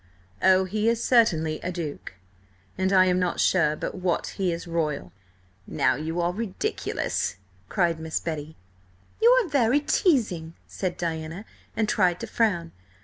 Oh, he is certainly a Duke–and I am not sure but what he is royal–he—" "Now you are ridiculous!" cried Miss Betty. "You are very teasing," said Diana, and tried to frown.